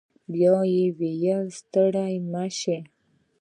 بيا يې وويل ستړي مه سئ.